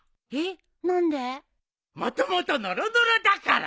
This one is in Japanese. もともとノロノロだから。